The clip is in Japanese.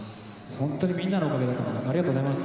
本当にみんなのおかげだと思います。